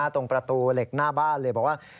ตรงประตูเหล็กหน้าบ้านเลยบอกว่า